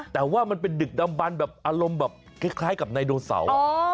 แต่ว่ามันดึกดำบรรณอารมณ์แค่ในโดเสา